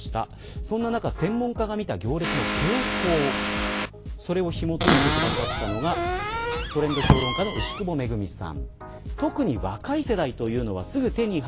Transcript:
そんな中、専門家が見た行列の傾向それをひもといてくださったのがトレンド評論家の牛窪恵さん。